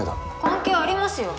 関係ありますよ。